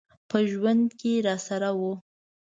په ژوند کي راسره و .